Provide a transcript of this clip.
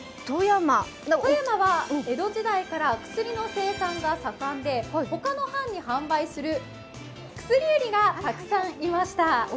富山は江戸時代から薬の生産が盛んで他の藩に販売する薬売りがたくさんいました。